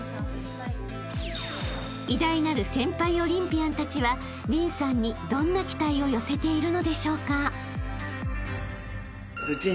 ［偉大なる先輩オリンピアンたちは凜さんにどんな期待を寄せているのでしょうか？］